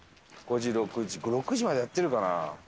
５時６時６時までやってるかな？